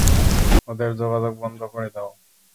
ওদের যোগাযোগ বন্ধ করে দাও।